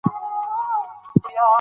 زړه د ارادې ځای او محل دﺉ.